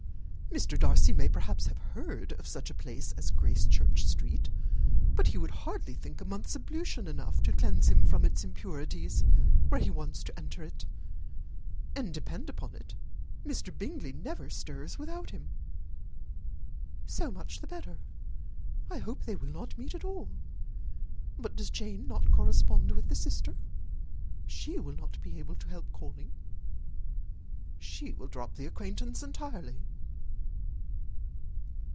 Mr. Darcy may, perhaps, have heard of such a place as Gracechurch Street, but he would hardly think a month's ablution enough to cleanse him from its impurities, were he once to enter it; and, depend upon it, Mr. Bingley never stirs without him." "So much the better. I hope they will not meet at all. But does not Jane correspond with his sister? She will not be able to help calling." "She will drop the acquaintance entirely."